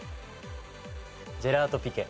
ジェラートピケ。